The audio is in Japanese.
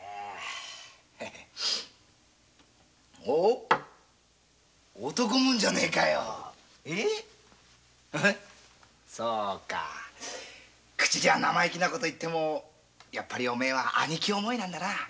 おう男物じゃねえかそうか口じゃ生意気な事をいってもやっぱりお前は兄貴思いなんだないやすまねえ。